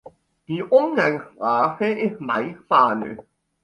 Die Umgangssprache ist meist Spanisch.